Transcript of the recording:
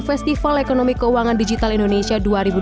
festival ekonomi keuangan digital indonesia dua ribu dua puluh